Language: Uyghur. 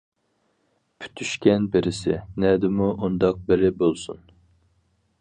پۈتۈشكەن بىرسى؟ نەدىمۇ ئۇنداق بىرى بولسۇن.